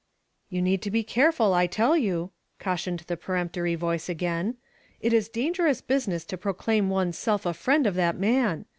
"You need to be careful, I tell you," cautioned the peremptory voice again. "It is dangerous business to proclaim one's self a friend of that man.